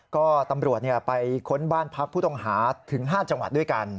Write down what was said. ก็ตำรวจไปค้นบ้านพักผู้ต้องหาถึง๕จังหวัดด้วยกัน